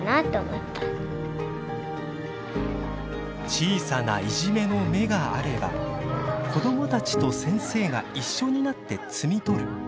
小さな「いじめの芽」があれば子どもたちと先生が一緒になって摘み取る。